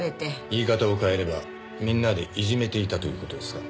言い方を変えればみんなでいじめていたという事ですか？